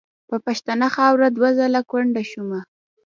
په پښتنه خاوره دوه ځله کونډه شومه .